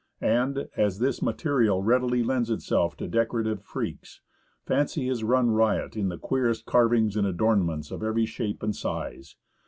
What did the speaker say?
And, as this material readily lends itself to decorative freaks, fancy has run riot in the queerest carvings and adornments of every shape and size.